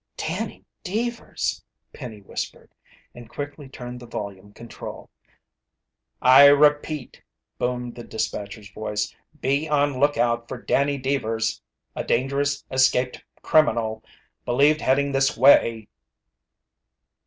"Danny Deevers!" Penny whispered, and quickly turned the volume control. "I repeat," boomed the dispatcher's voice. "Be on lookout for Danny Deevers, a dangerous escaped criminal. Believed heading this way."